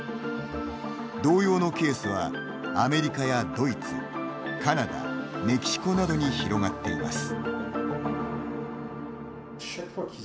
同様のケースはアメリカやドイツカナダ、メキシコなどに広がっています。